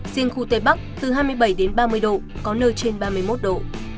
riêng khu tây bắc từ hai mươi bảy đến ba mươi độ có nơi trên ba mươi một độ